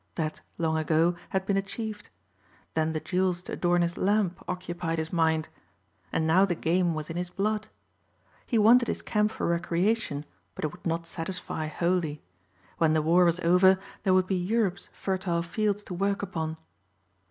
That, long ago, had been achieved. Then the jewels to adorn his lamp occupied his mind and now the game was in his blood. He wanted his camp for recreation but it would not satisfy wholly. When the war was over there would be Europe's fertile fields to work upon.